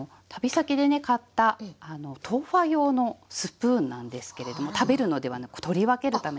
買った豆花用のスプーンなんですけれども食べるのではなく取り分けるためのスプーン。